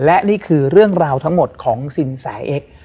และนี่คือเรื่องราวทั้งหมดของสินสายเอ็กซ์